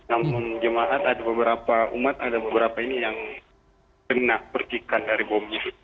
namun jemaat ada beberapa umat ada beberapa ini yang kena pergikan dari bomnya